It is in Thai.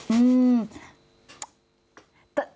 อืม